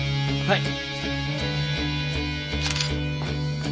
はい。